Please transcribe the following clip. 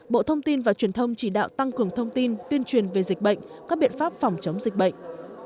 một mươi bảy bộ thông tin và truyền thông chỉ đạo tăng cường thông tin tuyên truyền về dịch bệnh các biện pháp phòng chống dịch bệnh